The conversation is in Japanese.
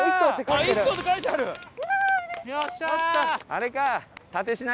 あれか。